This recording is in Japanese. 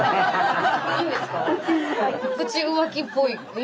プチ浮気っぽい。